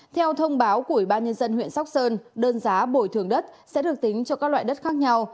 theo thông báo của ủy ban nhân dân huyện sóc sơn đơn giá bồi thường đất sẽ được tính cho các loại đất khác nhau